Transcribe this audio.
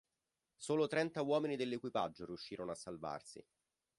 Solo trenta uomini dell'equipaggio riuscirono a salvarsi.